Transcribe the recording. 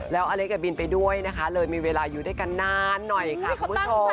แล้วอเล็กกับบินไปด้วยนะคะเลยมีเวลาอยู่ด้วยกันนานหน่อยค่ะคุณผู้ชม